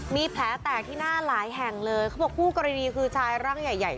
มีแผลแตกที่หน้าหลายแห่งเลยเขาบอกคู่กรณีคือชายร่างใหญ่ใหญ่